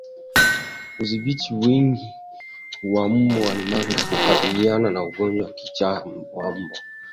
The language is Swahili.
Kudhibiti wingi wa mbwa ni namna ya kukabiliana na ugonjwa wa kichaa cha mbwa